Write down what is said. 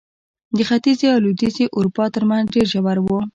د ختیځې او لوېدیځې اروپا ترمنځ ډېر ژور و.